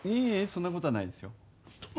そんなことはないですよ。